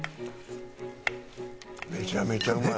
めちゃめちゃうまい。